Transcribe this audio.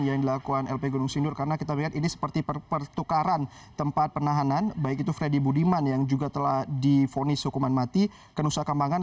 yang dilakukan lp gunung sindur karena kita lihat ini seperti pertukaran tempat penahanan baik itu freddy budiman yang juga telah difonis hukuman mati ke nusa kambangan